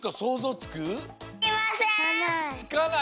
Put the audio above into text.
つかない。